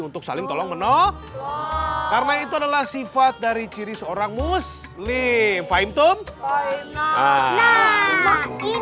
untuk saling tolong menolong karena itu adalah sifat dari jiri seorang muslim fahim tum fahim